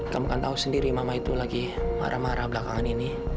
kamu kan tahu sendiri mama itu lagi marah marah belakangan ini